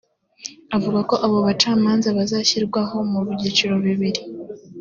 Avuga ko abo bacamanza bazashyirwaho mu byiciro bibiri